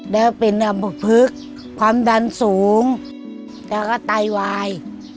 แล้วเป็นอมพลึกความดันสูงแล้วก็ไตวาย